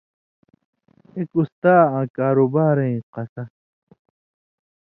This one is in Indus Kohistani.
اېک اُستا آں کاروباریں قصہ